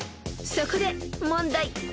［そこで問題］